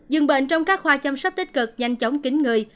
dường bệnh trong các khoa chăm sóc tích cực nhanh chóng kính người